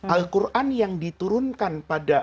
al quran yang diturunkan pada